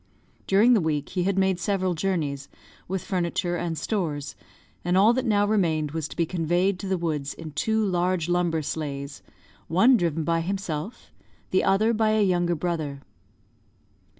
During the week he had made several journeys, with furniture and stores; and all that now remained was to be conveyed to the woods in two large lumber sleighs, one driven by himself, the other by a younger brother.